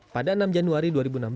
pada enam januari dua ribu enam belas